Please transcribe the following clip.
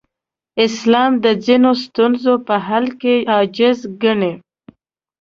اسلام د ځینو ستونزو په حل کې عاجز ګڼي.